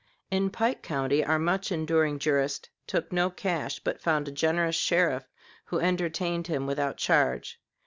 In Pike County our much enduring jurist took no cash, but found a generous sheriff who entertained him without charge.